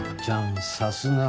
さすが。